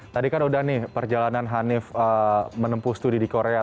tadi kan udah nih perjalanan hanif menempuh studi di korea